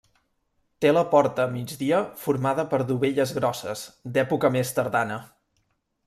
Té la porta a migdia formada per dovelles grosses d'època més tardana.